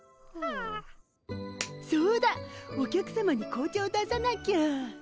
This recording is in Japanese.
そうだお客さまに紅茶を出さなきゃ。